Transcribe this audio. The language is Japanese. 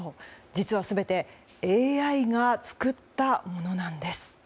実は全てＡＩが作ったものなんです。